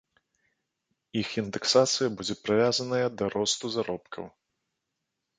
Іх індэксацыя будзе прывязаная да росту заробкаў.